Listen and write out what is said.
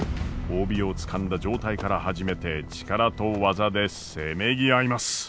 帯をつかんだ状態から始めて力と技でせめぎ合います。